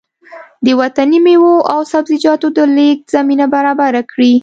د وطني مېوو او سبزيجاتو د لېږد زمينه برابره کړي